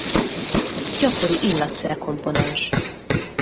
Gyakori illatszer komponens.